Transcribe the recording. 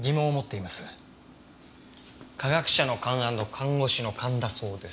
科学者の勘アンド看護師の勘だそうです。